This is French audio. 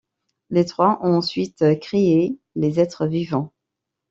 Les trois ont ensuite créé les êtres vivants.